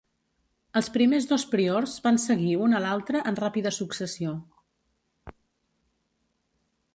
Els primers dos priors van seguir un a l'altre en ràpida successió.